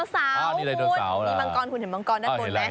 แต่ดายโนเสี่เมื่อก้อนเห็นมังกอนทั้งบน